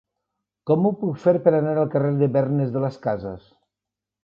Com ho puc fer per anar al carrer de Bergnes de las Casas?